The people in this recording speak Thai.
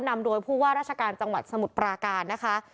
นำโดยผู้ว่าราชการจังหวัดสมุทรปราการนะคะ